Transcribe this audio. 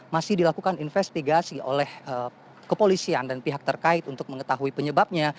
masih dilakukan investigasi oleh kepolisian dan pihak terkait untuk mengetahui penyebabnya